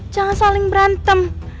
jangan saling berantem